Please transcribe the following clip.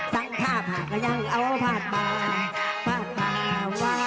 สั่งภาพหากหยั่งเอาภาพมา